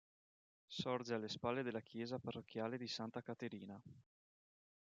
Sorge alle spalle della chiesa parrocchiale di Santa Caterina.